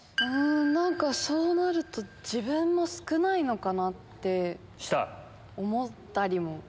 何かそうなると自分も少ないのかなって思ったりも。